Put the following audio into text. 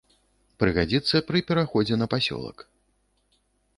Прыгадзіцца пры пераходзе на пасёлак.